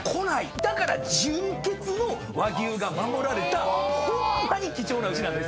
だから純血の和牛が守られたホンマに貴重な牛なんです。